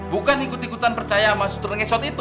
bukan ikut ikutan percaya sama suster ngesot itu